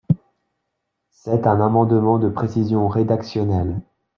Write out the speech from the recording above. C’est un amendement de précision rédactionnelle.